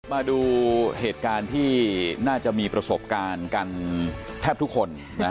มาดูเหตุการณ์ที่น่าจะมีประสบการณ์กันแทบทุกคน